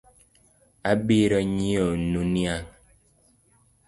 Abironyieonu niang’